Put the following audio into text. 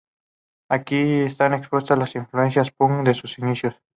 Aquí están expuestas las influencias punk de sus inicios.